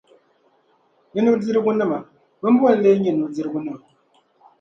Ni nudirgunima, bimbo n-leei nyɛ nudirgunima?